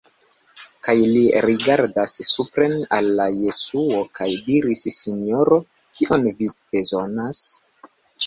Kaj li rigardas supren al Jesuo kaj diris: "Sinjoro, kion vi bezonas?"